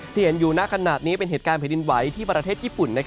ที่เห็นอยู่ณขนาดนี้เป็นเหตุการณ์แผ่นดินไหวที่ประเทศญี่ปุ่น